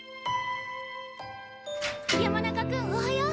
山中君おはよう！